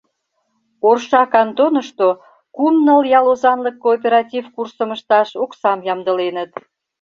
Орша контонышто кум-ныл ял озанлык кооператив курсым ышташ оксам ямдыленыт.